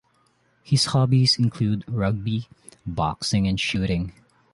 His hobbies include rugby, boxing, and shooting.